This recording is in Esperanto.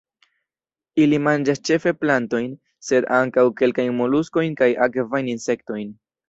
Ili manĝas ĉefe plantojn, sed ankaŭ kelkajn moluskojn kaj akvajn insektojn.